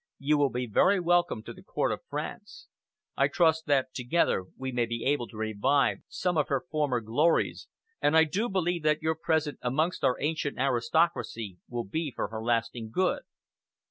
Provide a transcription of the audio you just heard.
You will be very welcome to the Court of France. I trust that together we may be able to revive some of her former glories, and I do believe that your presence amongst our ancient aristocracy will be for her lasting good."